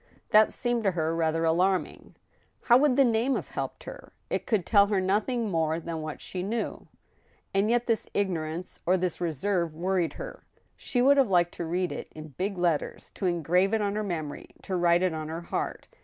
That seemed to her rather alarming. How would the name have helped her ? It could tell her noth ing more than what she knew. And yet this ignorance, or this reserve, worried her. She would have liked to read it in big letters, to engrave it on her memory, to write it on her heart.